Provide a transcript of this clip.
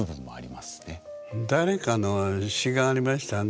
誰かの詩がありましたね。